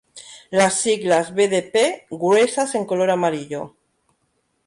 Las siglas BdP gruesas en color amarillo.